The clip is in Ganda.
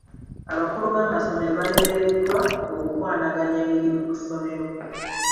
Abakulu b'amasomero balemereddwa okukwanaganya emirimu ku ssomero.